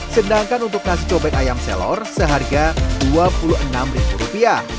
sedangkan untuk nasi cobek ayam selor seharga rp dua puluh enam